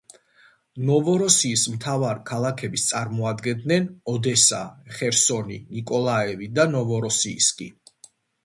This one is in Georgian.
ნოვოროსიის მთავარი ქალაქებს წარმოადგენდნენ ოდესა, ხერსონი, ნიკოლაევი და ნოვოროსიისკი.